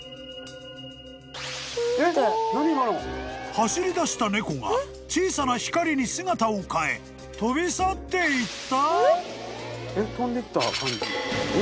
［走りだした猫が小さな光に姿を変え飛び去っていった！？］